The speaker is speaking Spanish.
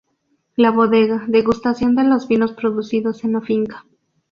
La bodega, degustación de los vinos producidos en la finca.